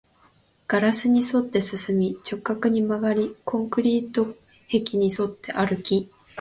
ガラスに沿って進み、直角に曲がり、コンクリート壁に沿って歩き